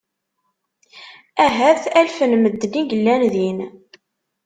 Ahat alef n medden i yellan din.